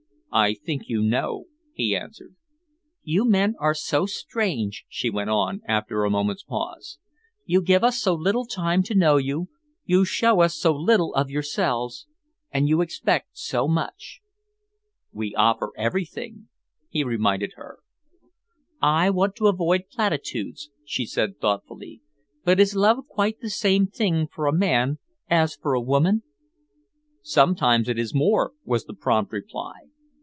"I think you know," he answered. "You men are so strange," she went on, after a moment's pause. "You give us so little time to know you, you show us so little of yourselves and you expect so much." "We offer everything," he reminded her. "I want to avoid platitudes," she said thoughtfully, "but is love quite the same thing for a man as for a woman?" "Sometimes it is more," was the prompt reply.